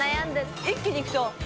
一気にいくと。